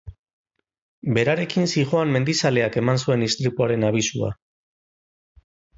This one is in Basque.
Berarekin zihoan mendizaleak eman zuen istripuaren abisua.